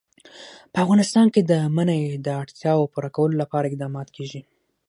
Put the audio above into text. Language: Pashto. په افغانستان کې د منی د اړتیاوو پوره کولو لپاره اقدامات کېږي.